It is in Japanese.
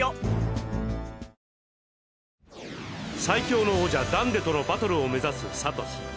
最強の王者ダンデとのバトルを目指すサトシ。